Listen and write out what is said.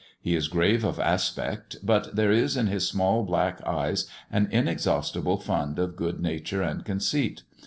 He is grave of aspect; but there is in his small black eyes an inexhaustible fund of good nature and conceit.